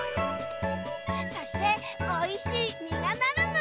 そしておいしいみがなるのだ！